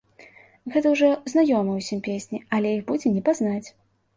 Гэта ўжо знаёмыя ўсім песні, але іх будзе не пазнаць.